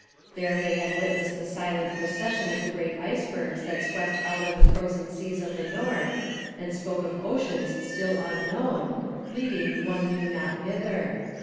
There they had witnessed the silent procession of the great icebergs that swept out of the frozen seas of the north, and spoke of oceans still unknown, leading one knew not whither.